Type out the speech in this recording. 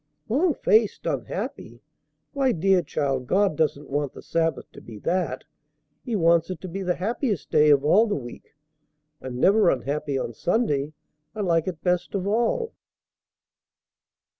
"Long faced! Unhappy! Why, dear child, God doesn't want the Sabbath to be that. He wants it to be the happiest day of all the week. I'm never unhappy on Sunday. I like it best of all."